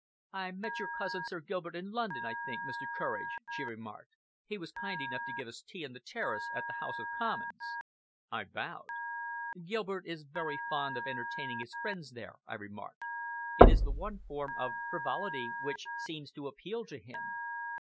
"I met your cousin, Sir Gilbert, in London, I think, Mr. Courage," she remarked. "He was kind enough to give us tea on the terrace at the House of Commons." I bowed. "Gilbert is rather fond of entertaining his friends there," I remarked. "It is the one form of frivolity which seems to appeal to him."